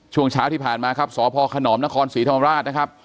ช่วงเช้าที่ผ่านมาครับสพขนอมนครศรีธรรมราชนะครับ